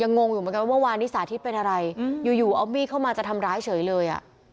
ยังงงอยู่เหมือนกันว่าสาธิตเป็นอะไรอยู่เอามี่เข้ามาจะทำร้ายเฉยเลย